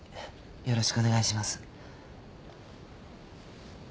よろしくお願いします。